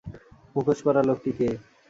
মুখোশপরা লোকটি কে?